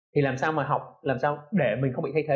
thì làm sao mà học làm sao để mình không bị thay thế